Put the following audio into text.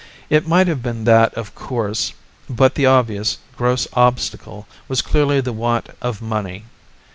It might have been that of course; but the obvious, gross obstacle was clearly the want of money.